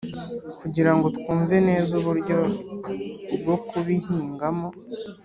kugirango twumve neza uburyo bwo kubihingamo.